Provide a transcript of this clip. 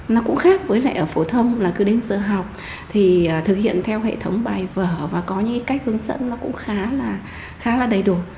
nó cũng khác với lại ở phổ thông là cứ đến giờ học thì thực hiện theo hệ thống bài vở và có những cách hướng dẫn nó cũng khá là khá là đầy đủ